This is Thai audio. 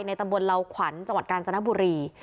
ตำบลเหล่าขวัญจังหวัดกาญจนบุรี